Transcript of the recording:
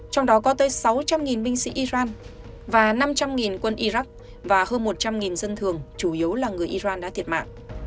trong đó có tới sáu trăm linh binh sĩ iran và năm trăm linh quân iraq và hơn một trăm linh dân thường chủ yếu là người iran đã thiệt mạng